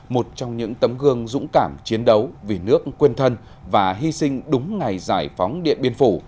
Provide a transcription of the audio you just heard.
một trong những tấm gương dũng cảm chiến đấu vì nước quên thân và hy sinh đúng ngày giải phóng điện biên phủ